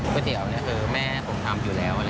เตี๋ยวนี่คือแม่ผมทำอยู่แล้ว